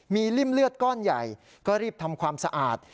มีริ่มเลือดก้อนใหญ่ก็รีบทำความสะอาด